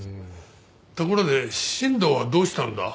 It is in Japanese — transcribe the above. ところで新藤はどうしたんだ？